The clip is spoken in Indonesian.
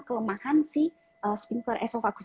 kelemahan si sphincter esofagus